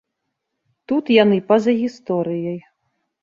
Тут яны па-за гісторыяй.